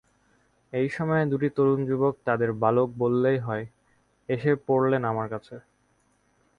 এই সময়ে দুটি তরুণ যুবক, তাঁদের বালক বললেই হয়, এসে পড়লেন আমার কাছে।